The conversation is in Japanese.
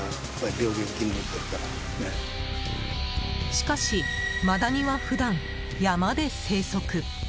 しかし、マダニは普段、山で生息。